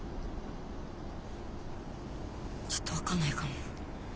ちょっと分かんないかも。